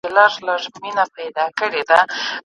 د بلا ساه وي ختلې پر جونګړو پر کورونو